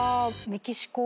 メキシコ⁉